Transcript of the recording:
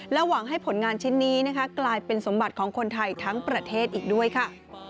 หวังให้ผลงานชิ้นนี้นะคะกลายเป็นสมบัติของคนไทยทั้งประเทศอีกด้วยค่ะ